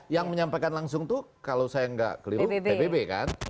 yang menyampaikan langsung itu kalau saya nggak keliru pbb kan